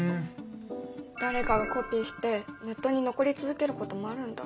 誰かがコピーしてネットに残り続けることもあるんだ。